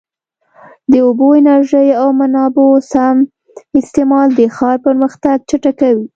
د اوبو، انرژۍ او منابعو سم استعمال د ښار پرمختګ چټکوي.